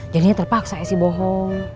jadinya terpaksa esi bohong